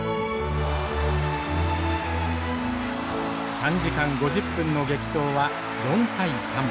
３時間５０分の激闘は４対３。